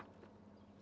menjadi kemampuan anda